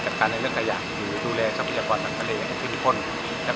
ไปรอบมากดูแลหลัดเทมเพศเดินห่วงซี่หน้าคะบ๊วย